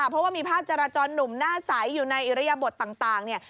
เพราะว่ามีภาพจราจรหนุ่มหน้าใสอยู่ในอิริยบทต่างเนี่ย